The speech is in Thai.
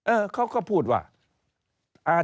เออเค้าก็พูดว่า